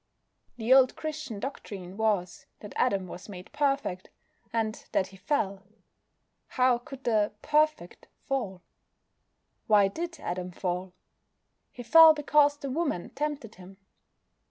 The old Christian doctrine was that Adam was made perfect, and that he fell. (How could the "perfect" fall?) Why did Adam fall? He fell because the woman tempted him.